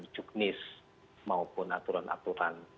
cuknis maupun aturan